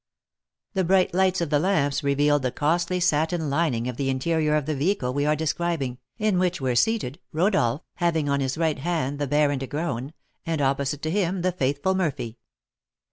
The bright light of the lamps revealed the costly satin lining of the interior of the vehicle we are describing, in which were seated Rodolph, having on his right hand the Baron de Graün, and opposite to him the faithful Murphy.